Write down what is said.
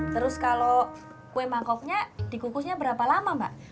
terus kalau kue mangkoknya dikukusnya berapa lama mbak